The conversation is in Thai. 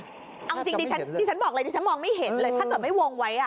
แนบจะไม่เห็นเลยดีฉันบอกเลยถ้าเกิดไม่วงไว้ดีฉันบอกเลยดีฉันมองไม่เห็นเลย